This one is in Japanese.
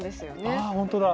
ああ本当だ！